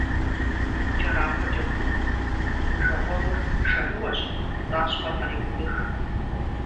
КӀэрахъуэкӀэ упэмыув, уи жагъуэгъур шэрыуэщ, пцӀащхъуэр къреудых.